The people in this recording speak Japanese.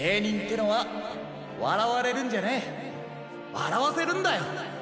わらわせるんだよ。